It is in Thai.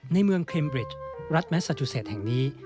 ในเมืองครีมบริจรัฐแมซ่าจุเสตรแห่งนี้